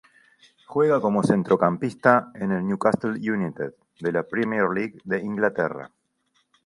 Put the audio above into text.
Juega como centrocampista en el Newcastle United de la Premier League de Inglaterra.